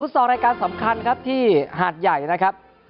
ซอลรายการสำคัญครับที่หาดใหญ่นะครับ